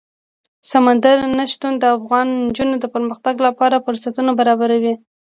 سمندر نه شتون د افغان نجونو د پرمختګ لپاره فرصتونه برابروي.